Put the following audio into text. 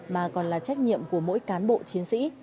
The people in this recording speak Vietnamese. mà còn là trách nhiệm của mỗi cán bộ chiến sĩ